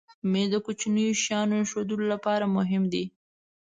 مېز د کوچنیو شیانو ایښودلو لپاره مهم دی.